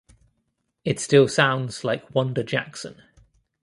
It still sounds like Wanda Jackson.